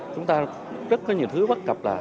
chúng ta rất có nhiều thứ bất cập là